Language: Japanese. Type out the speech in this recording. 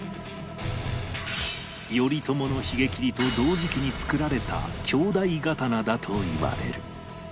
頼朝の髭切と同時期に作られた兄弟刀だといわれる